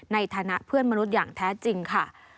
ในฐานะเพื่อนมนุษย์อย่างแท้จริงค่ะ